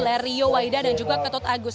lerio waida dan juga ketut agus